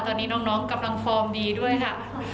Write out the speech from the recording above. ตอนนี้น้องกำลังฟอร์มดีด้วยค่ะ